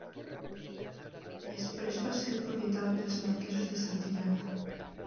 Després va ser propietat dels marquesos de Santillana.